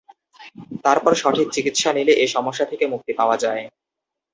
তারপর সঠিক চিকিৎসা নিলে এ সমস্যা থেকে মুক্তি পাওয়া যায়।